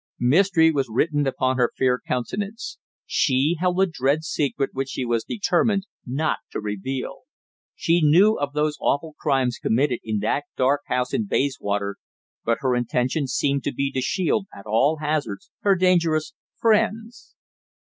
Mystery was written upon her fair countenance. She held a dread secret which she was determined not to reveal. She knew of those awful crimes committed in that dark house in Bayswater, but her intention seemed to be to shield at all hazards her dangerous "friends."